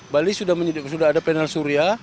bali sudah ada panel surya